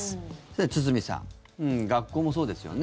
堤さん学校もそうですよね。